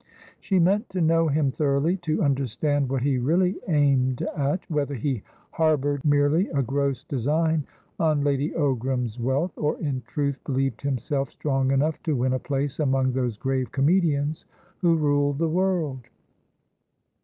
She meant to know him thoroughly, to understand what he really aimed atwhether he harboured merely a gross design on Lady Ogram's wealth, or in truth believed himself strong enough to win a place among those grave comedians who rule the world.